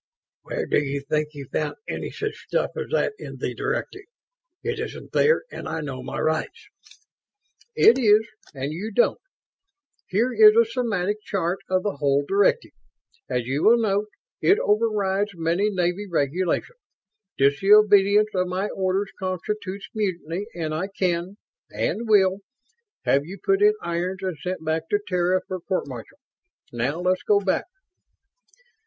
"Where do you think you found any such stuff as that in the directive? It isn't there and I know my rights." "It is, and you don't. Here is a semantic chart of the whole directive. As you will note, it overrides many Navy regulations. Disobedience of my orders constitutes mutiny and I can and will have you put in irons and sent back to Terra for court martial. Now let's go back."